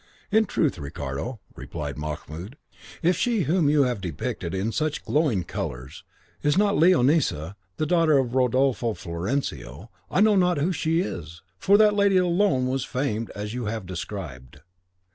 "In truth, Ricardo," replied Mahmoud, "if she whom you have depicted in such glowing colours is not Leonisa, the daughter of Rodolfo Florencio, I know not who she is, for that lady alone was famed as you have described."